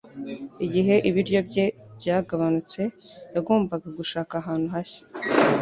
Igihe ibiryo bye byagabanutse, yagombaga gushaka ahantu hashya.